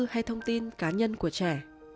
hay thông tin cá nhân của trẻ